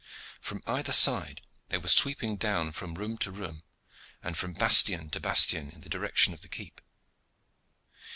From either side they were sweeping down from room to room and from bastion to bastion in the direction of the keep.